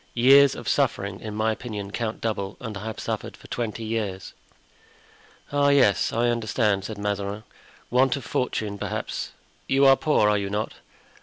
Years of suffering, in my opinion, count double, and I have suffered for twenty years." "Ah, yes, I understand," said Mazarin; "want of fortune, perhaps. You are poor, are you not?"